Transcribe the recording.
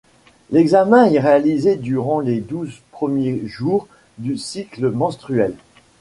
L'examen est réalisé durant les douze premiers jours du cycle menstruel.